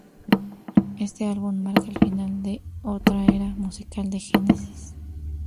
Este álbum marca el final de otra era musical de Genesis.